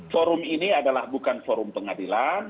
forum ini adalah bukan forum pengadilan